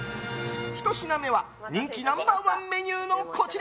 ひと品目は人気ナンバー１メニューのこちら。